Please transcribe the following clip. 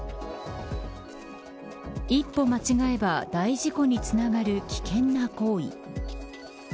一歩、間違えば大事故につながる危険な行為。